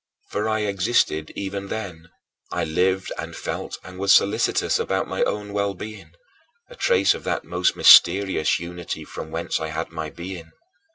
For I existed even then; I lived and felt and was solicitous about my own well being a trace of that most mysterious unity from whence I had my being.